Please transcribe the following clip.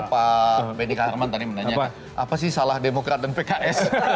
pak benn arman tadi menanyakan apa sih salah demokrat dan pks